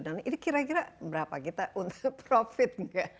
ini kira kira berapa kita untuk profit